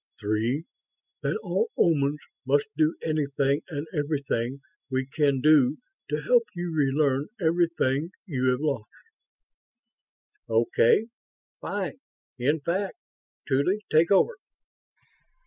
Three, that all Omans must do anything and everything we can do to help you relearn everything you have lost." "Okay. Fine, in fact. Tuly, take over."